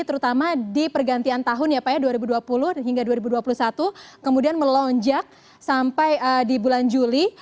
terutama di pergantian tahun ya pak ya dua ribu dua puluh hingga dua ribu dua puluh satu kemudian melonjak sampai di bulan juli